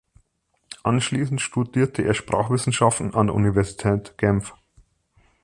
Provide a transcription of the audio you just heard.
Anschließend studierte er Sprachwissenschaften an der Universität Genf.